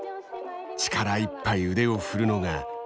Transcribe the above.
力いっぱい腕を振るのが福岡堅樹。